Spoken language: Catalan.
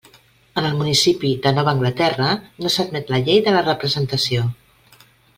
En el municipi de Nova Anglaterra, no s'admet la llei de la representació.